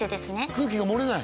空気が漏れない？